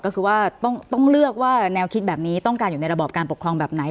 ก็คือว่าต้องเลือกว่าแนวคิดแบบนี้ต้องการอยู่ในระบอบการปกครองแบบไหน